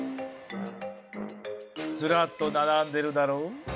ずらっと並んでるだろ？